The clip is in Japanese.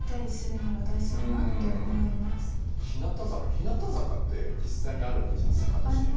日向坂って実際にあるわけじゃん坂として。